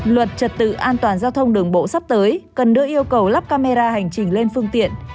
luật trật tự an toàn giao thông đường bộ sắp tới cần đưa yêu cầu lắp camera hành trình lên phương tiện